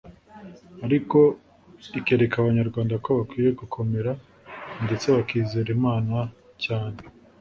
ariko ikereka Abanyarwanda ko bakwiye gukomera ndetse bakizera Imana cyane